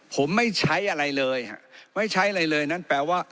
ผมไม่ใช้อะไรเลยฮะไม่ใช้อะไรเลยนั้นแปลว่า